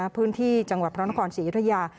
พื้นที่จังหวัดพระนักศึกษีธรรยา